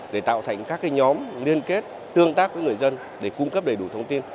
để tạo thành các nhóm liên kết tương tác với người dân để cung cấp đầy đủ thông tin